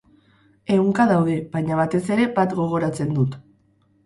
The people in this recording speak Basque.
Ehunka daude, baina batez ere bat gogoratzen dut.